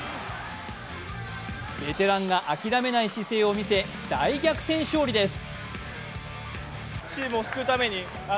ベテランが諦めない姿勢を見せ大逆転勝利です。